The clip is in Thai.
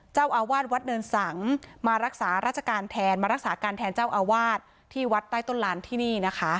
เจ้าอาวาสวัดเนินสังมารักษาราชการแทนมารักษาการแทนเจ้าอาวาสที่วัดใต้ต้นลานที่นี่นะคะ